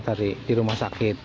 empat hari di rumah sakit